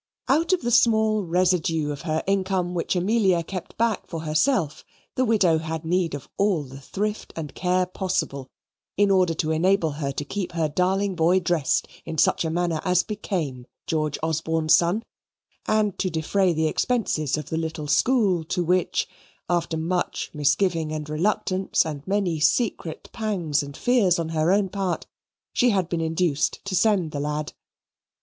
Out of the small residue of her income which Amelia kept back for herself, the widow had need of all the thrift and care possible in order to enable her to keep her darling boy dressed in such a manner as became George Osborne's son, and to defray the expenses of the little school to which, after much misgiving and reluctance and many secret pangs and fears on her own part, she had been induced to send the lad.